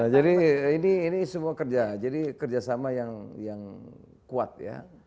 jadi ini semua kerja jadi kerjasama yang kuat ya